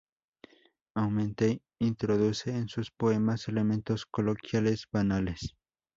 Aumente introduce en sus poemas elementos coloquiales, banales.